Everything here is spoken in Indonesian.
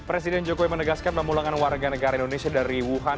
presiden jokowi menegaskan pemulangan warga negara indonesia dari wuhan